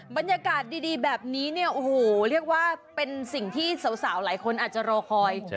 บรรยากาศดีแบบนี้เนี่ยโอ้โหเรียกว่าเป็นสิ่งที่สาวหลายคนอาจจะรอคอย